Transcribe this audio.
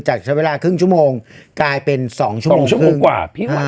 จากเวลาเพิ่งชั่วโมงกายเป็น๒ชั่วโมงกว่า